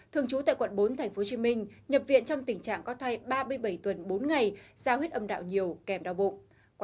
thường trú tại quận bốn tp hcm nhập viện trong tình trạng có thai ba mươi bảy tuần bốn ngày do huyết âm đạo nhiều kèm đau bụng